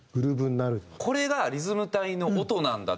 これがリズム隊の音なんだ。